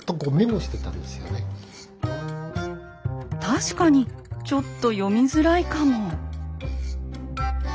確かにちょっと読みづらいかも。